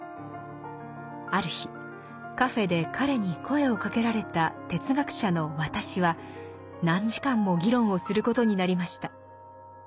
ある日カフェで彼に声をかけられた哲学者の「私」は何時間も議論をすることになりました。